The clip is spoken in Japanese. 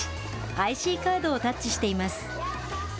ＩＣカードをタッチしています。